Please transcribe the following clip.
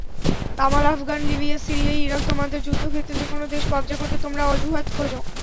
কামালআফগান, Libya, Syria, Iraq তোমাদের যুদ্ধক্ষেত্র, যেকোনো দেশ কবজা করতে তোমরা অজুহাত খোঁজো।